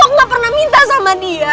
aku gak pernah minta sama dia